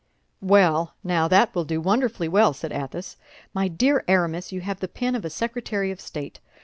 "Well, now that will do wonderfully well," said Athos. "My dear Aramis, you have the pen of a secretary of state.